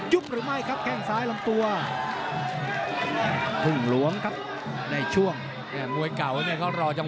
โหมาต้องเตรียทแทนสูงตลอดพิชิชชัย